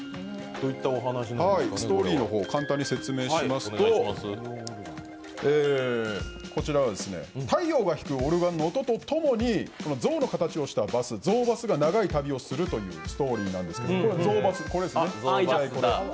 ストーリーの方を簡単に説明しますと、こちら太陽のひくオルガンとともに象の形をしたバス、ゾウバスが長い旅をするというストーリーなんですけれどもゾウバス、これですね。